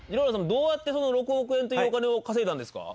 どうやってその６億円っていうお金を稼いだんですか？